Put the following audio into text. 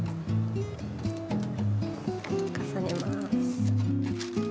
重ねます。